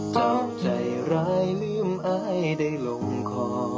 เข้าใจร้ายลืมอายได้ลงคอ